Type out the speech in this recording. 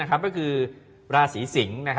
ก็คือราศีสิงศ์